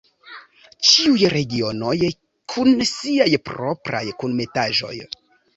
Ĉiuj regionoj kun siaj propraj kunmetaĵoj!